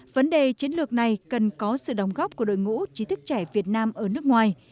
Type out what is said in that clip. vấn đề chiến lược này cần có sự đồng góp của đội ngũ trí thức trẻ việt nam ở nước ngoài